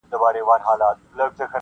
• هم پر کور هم یې پر کلي شرمولې -